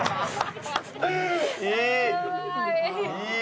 いい！